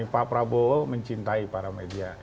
pak prabowo mencintai para media